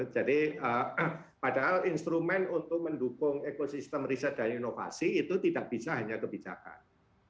jadi padahal instrumen untuk mendukung ekosistem riset dan inovasi itu tidak bisa hanya kebijakan